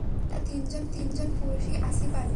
আমরা তিনজন পুরুষই আছি বাড়িতে।